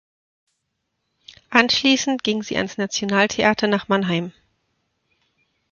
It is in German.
Anschließend ging sie ans Nationaltheater nach Mannheim.